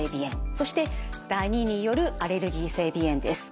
そしてダニによるアレルギー性鼻炎です。